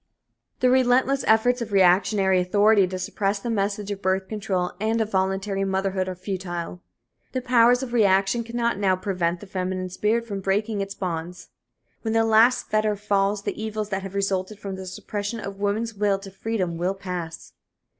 The relentless efforts of reactionary authority to suppress the message of birth control and of voluntary motherhood are futile. The powers of reaction cannot now prevent the feminine spirit from breaking its bonds. When the last fetter falls the evils that have resulted from the suppression of woman's will to freedom will pass.